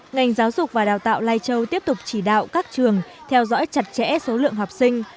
ngành giáo dục và đào tạo lai châu tiếp tục chỉ đạo các trường theo dõi chặt chẽ số lượng học sinh